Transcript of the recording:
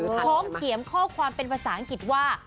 พร้อมเขียนข้อความเป็นภาษาอังกฤษว่า